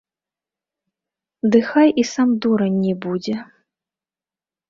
Ды хай і сам дурань не будзе.